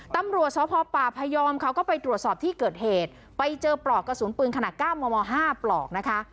ตำรวจสพปพยอมเขาก็ไปตรวจสอบที่เกิดเหตุไปเจอปลอกกระสุนปืนขนาด๙มม๕ปลอกนะคะ